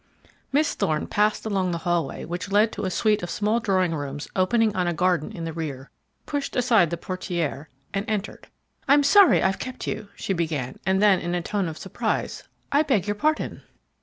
Miss Thorne passed along the hallway which led to a suite of small drawing rooms opening on a garden in the rear, pushed aside the portières, and entered. "I'm sorry I've kept you " she began, and then, in a tone of surprise: "I beg your pardon."